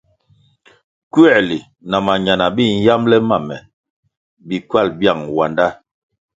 Kuerli na mañana bi nyambele ma me bi ckywal biang wandá.